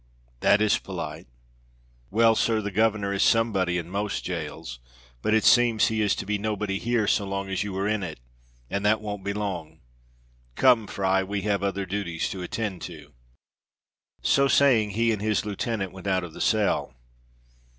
"That is polite! Well, sir, the governor is somebody in most jails, but it seems he is to be nobody here so long as you are in it, and that won't be long. Come, Fry, we have other duties to attend to." So saying he and his lieutenant went out of the cell.